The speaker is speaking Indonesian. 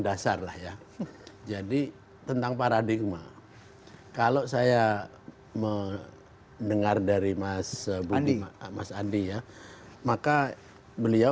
dasar lah ya jadi tentang paradigma kalau saya mendengar dari mas budi mas andi ya maka beliau